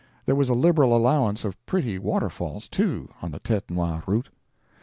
There was a liberal allowance of pretty waterfalls, too, on the Tête Noir route.